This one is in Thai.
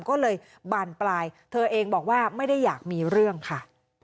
ก็เลยบานปลายเธอเองบอกว่าไม่ได้อยากมีเรื่องค่ะ